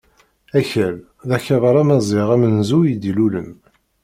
Akal, d akabar amaziɣ amenzu i d-ilulen.